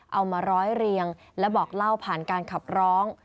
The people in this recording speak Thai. เอามาร้อยเรียงและบอกเล่าผ่านการขับร้อง